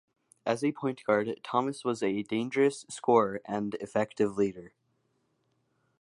As a point guard, Thomas was a dangerous scorer and effective leader.